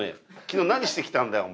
昨日何してきたんだよ？